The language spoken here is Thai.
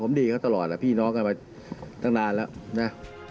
ผมดีตลอดพี่น้องกันมานานแล้วนะ